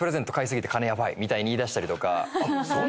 みたいに言いだしたりとか。